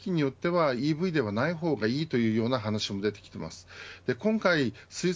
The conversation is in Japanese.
さらに地域によってはＥＶではない方がいいというような話も出てきています。